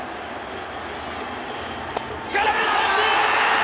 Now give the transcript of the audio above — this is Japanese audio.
空振り三振！